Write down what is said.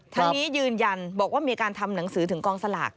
ทั้งนี้ยืนยันบอกว่ามีการทำหนังสือถึงกองสลาก